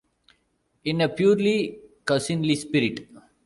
In a purely cousinly spirit.